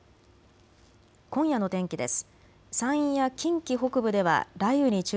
今夜の天気です。